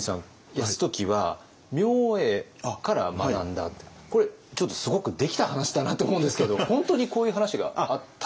泰時は明恵から学んだってこれちょっとすごくできた話だなと思うんですけど本当にこういう話があった？